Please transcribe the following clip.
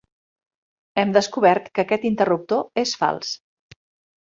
Hem descobert que aquest interruptor és fals.